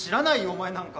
お前なんか。